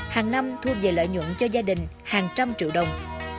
hàng năm thu về lợi nhuận cho gia đình hàng trăm triệu đồng